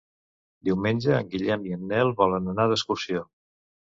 Diumenge en Guillem i en Nel volen anar d'excursió.